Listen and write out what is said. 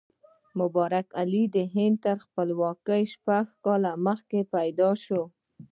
مبارک علي د هند تر خپلواکۍ شپږ کاله مخکې پیدا شو.